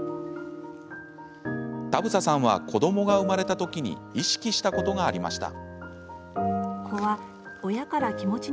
田房さんは子どもが生まれた時に意識したことがありました。